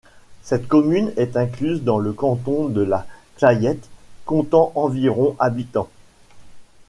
Cette commune est incluse dans le canton de la Clayette, comptant environ habitants.